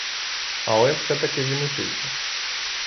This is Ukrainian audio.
Але все-таки він учився.